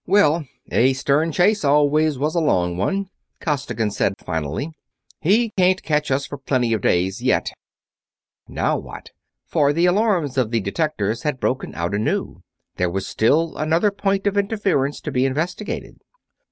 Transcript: "Well, a stern chase always was a long one," Costigan said finally. "He can't catch us for plenty of days yet ... now what?" for the alarms of the detectors had broken out anew. There was still another point of interference to be investigated.